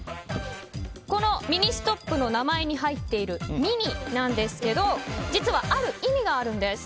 このミニストップの名前に入っているミニなんですけど実はある意味があるんです。